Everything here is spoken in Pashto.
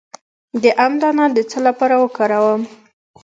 د ام دانه د څه لپاره وکاروم؟